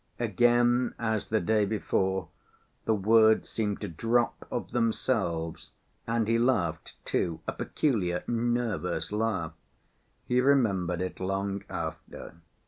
Again, as the day before, the words seemed to drop of themselves, and he laughed, too, a peculiar, nervous laugh. He remembered it long after.